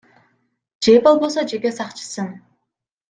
Же болбосо жеке сакчысын.